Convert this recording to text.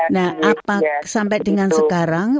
nah sampai dengan sekarang